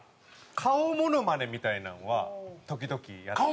顔モノマネみたいなのは時々やったりします。